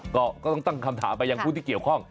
ก็ต้องตั้งคำถามไปยังผู้ที่เกี่ยวข้อง